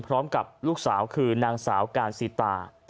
พร้อมกับลูกสาวคือนางสาวการสิตา